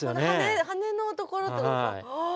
羽のところというかあ。